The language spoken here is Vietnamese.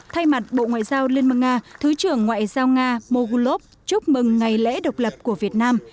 thay mặt bộ ngoại giao liên bang nga thứ trưởng ngoại giao nga moghulov chúc mừng ngày lễ độc lập của việt nam